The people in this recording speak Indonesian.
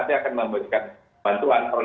tiga aspek utama ini